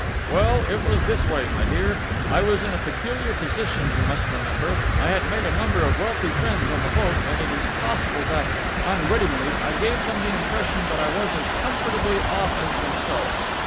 "Well, it was this way, my dear. I was in a peculiar position you must remember. I had made a number of wealthy friends on the boat and it is possible that unwittingly I gave them the impression that I was as comfortably off as themselves.